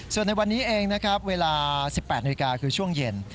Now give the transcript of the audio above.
ส่วนในวันนี้เองเวลา๑๘นคือช่วงเย็น